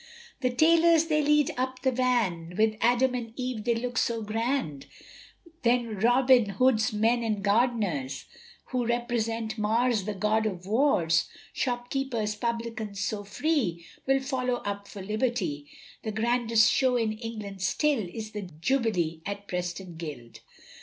The tailors they lead up the van, With Adam and Eve they look so grand, Then Robin Hood's men and gardeners, Who represent Mars the God of Wars, Shopkeepers, Publicans so free, Will follow up for liberty, The grandest show in England still, Is the jublilee at Preston Guild.